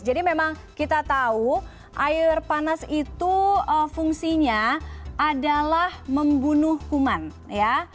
jadi memang kita tahu air panas itu fungsinya adalah membunuh kuman ya